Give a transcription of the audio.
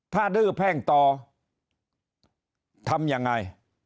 ถ้าดื้อแพ่งต่อทำยังไง